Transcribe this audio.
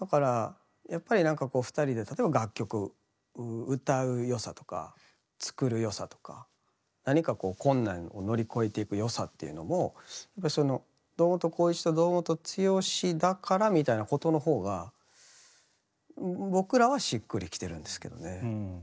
だからやっぱりなんかこう２人で例えば楽曲を歌う良さとか作る良さとか何かこう困難を乗り越えていく良さというのも堂本光一と堂本剛だからみたいなことの方が僕らはしっくりきてるんですけどね。